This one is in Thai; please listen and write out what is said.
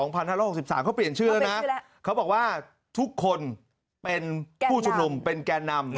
เขาเปลี่ยนชื่อแล้วนะเขาบอกว่าทุกคนเป็นผู้ชุมนุมเป็นแก่นำ